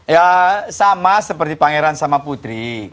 ya sama seperti pangeran sama putri